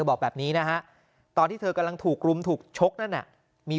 บอกแบบนี้นะฮะตอนที่เธอกำลังถูกรุมถูกชกนั่นน่ะมี